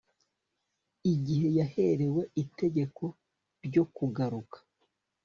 igihe yaherewe itegeko ryo kugaruka